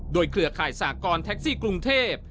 โดยเครือข่ายสากรแท็กซี่กรุงเทพ